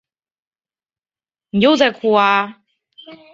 担任过崎玉电视台评论员等职务。